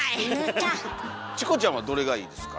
チコちゃんはどれがいいですか？